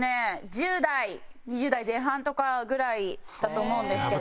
１０代２０代前半とかぐらいだと思うんですけど。